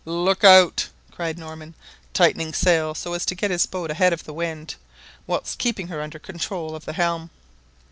"Look out!" cried old Norman, tightening sail so as to get his boat ahead of the wind, whilst keeping her under control of the helm.